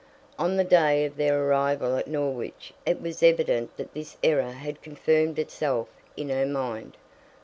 On the day of their arrival at Norwich it was evident that this error had confirmed itself in her mind.